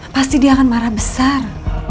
pasti dia akan marah besar